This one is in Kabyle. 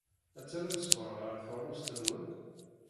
Ad terrem sskeṛ ɣer teɣlust-nwen?